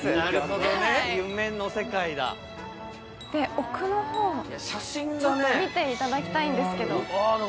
奥の方、見ていただきたいんですけど。